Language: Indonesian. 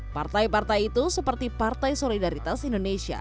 partai partai itu seperti partai solidaritas indonesia